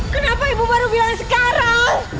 kenapa ibu baru bilang sekarang